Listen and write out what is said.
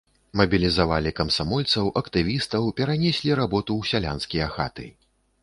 Мабілізавалі камсамольцаў, актывістаў, перанеслі работу ў сялянскія хаты.